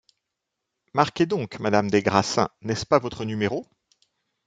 Marquez donc, madame des Grassins, n’est-ce pas votre numéro?